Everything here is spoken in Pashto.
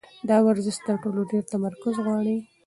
دا ورزش تر ټولو ډېر تمرکز غواړي.